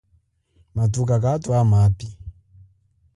Mathuka katwama api.